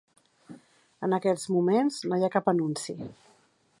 En aquests moments, no hi ha cap anunci.